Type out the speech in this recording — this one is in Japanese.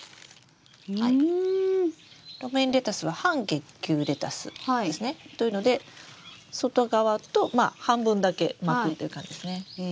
ロメインレタスは半結球レタスですね。というので外側とまあ半分だけ巻くっていう感じですね。